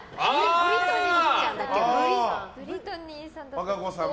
ブリトニーちゃん。